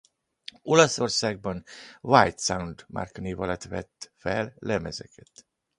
Olaszországban Wide Sound márkanév alatt vett fel lemezeket.